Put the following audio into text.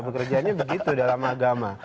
bekerjaannya begitu dalam agama